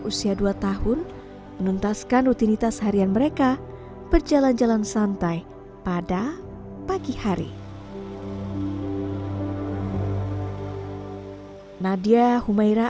usia dua tahun menuntaskan rutinitas harian mereka berjalan jalan santai pada pagi hari nadia humaira